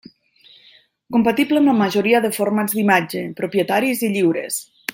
Compatible amb la majoria de formats d'imatge propietaris i lliures.